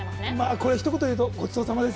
これ、ひと言で言うとごちそうさまです。